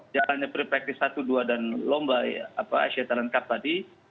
jalannya free practice satu dua dan lomba asia talent cup tadi